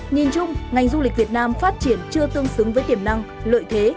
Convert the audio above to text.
nhìn chung ngành du lịch việt nam phát triển chưa tương xứng với tiềm năng lợi thế